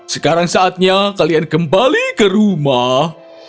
sekarang saatnya kalian kembali ke rumah